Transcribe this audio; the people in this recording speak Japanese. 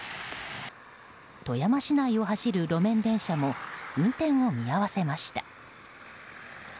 富山市内を走る路面電車も運転を見合わせました。